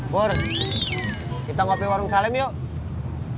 bur kita ngopi warung salem yuk